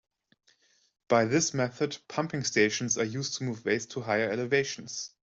By this method, pumping stations are used to move waste to higher elevations.